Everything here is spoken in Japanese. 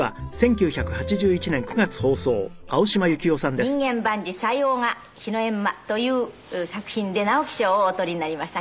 この度『人間万事塞翁が丙午』という作品で直木賞をお取りになりました